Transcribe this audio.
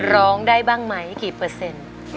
ร้องได้บ้างไหมกี่เปอร์เซ็นต์